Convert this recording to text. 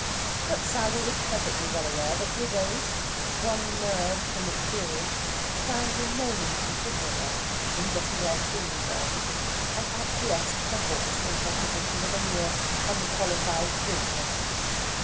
But Sally was perfectly well aware that widows, strong nerved from experience, stand in no need of official help in getting their "things" on, and acquiesced perforce in her position of a mere unqualified daughter.